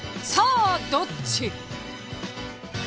さあどっち？